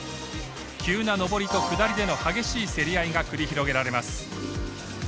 急な上りと下りでの激しい競り合いが繰り広げられます。